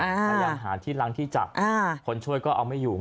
พยายามหาที่ล้างที่จับคนช่วยก็เอาไม่อยู่